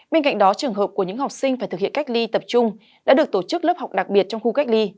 bên cạnh đó trường hợp của những học sinh phải thực hiện cách ly tập trung đã được tổ chức lớp học đặc biệt trong khu cách ly